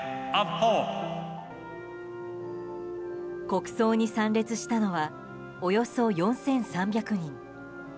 国葬に参列したのはおよそ４３００人。